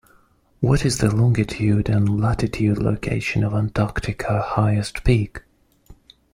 What is the longitude and latitude location of Antarctica highest peak?